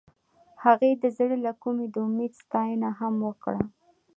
هغې د زړه له کومې د امید ستاینه هم وکړه.